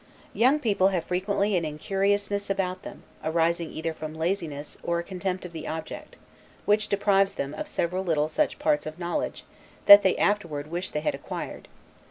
Young people have frequently an incuriousness about them, arising either from laziness, or a contempt of the object, which deprives them of several such little parts of knowledge, that they afterward wish they had acquired.